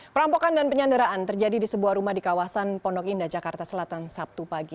perampokan dan penyanderaan terjadi di sebuah rumah di kawasan pondok indah jakarta selatan sabtu pagi